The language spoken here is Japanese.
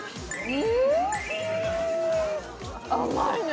甘いね。